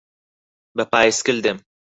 بە پایسکل دێم.